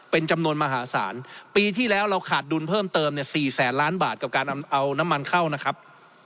เป็นจำนวนมหาศาลปีที่แล้วเราขาดดุลเพิ่มเติมเนี่ย๔แสนล้านบาทกับการเอาน้ำมันเข้านะครับ